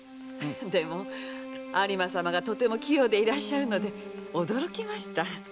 でも有馬様がとても器用でいらっしゃるので驚きました。